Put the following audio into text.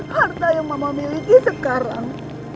harta yang mama miliki sekarang